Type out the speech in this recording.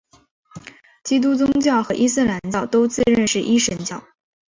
基督宗教和伊斯兰教都自认是一神教。